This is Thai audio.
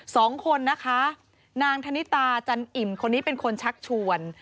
สองคนนางทนิตาจันอิ่มคนนี้เป็นชะชวน